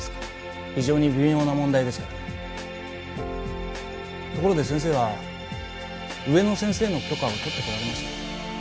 非常に微妙な問題ですからねところで先生は上の先生の許可を取ってこられました？